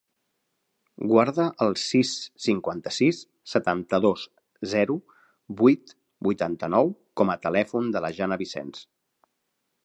Guarda el sis, cinquanta-sis, setanta-dos, zero, vuit, vuitanta-nou com a telèfon de la Jana Vicens.